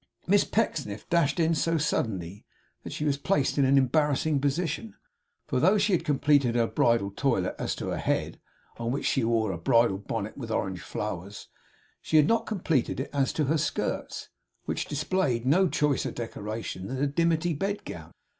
Miss Pecksniff dashed in so suddenly, that she was placed in an embarrassing position. For though she had completed her bridal toilette as to her head, on which she wore a bridal bonnet with orange flowers, she had not completed it as to her skirts, which displayed no choicer decoration than a dimity bedgown.